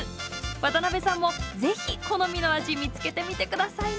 渡辺さんもぜひ好みの味見つけてみて下さいね。